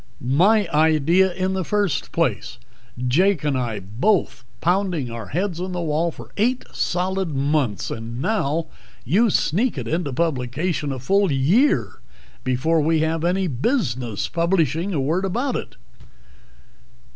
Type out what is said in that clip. _ My idea in the first place. Jake and I both pounding our heads on the wall for eight solid months and now you sneak it into publication a full year before we have any business publishing a word about it."